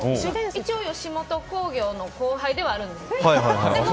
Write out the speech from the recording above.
一応、吉本興業の後輩ではあるんです。